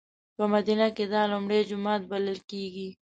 په مدینه کې دا لومړی جومات بللی کېږي.